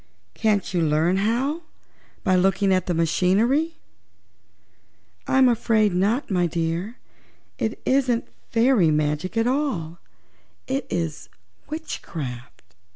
"Can't you learn how, by looking at the machinery?" "I'm afraid not, my dear. It isn't fairy magic at all; it is witchcraft."